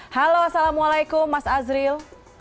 halo assalamualaikum mas azril